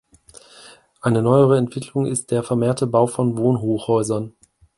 Eine neuere Entwicklung ist der vermehrte Bau von Wohnhochhäusern.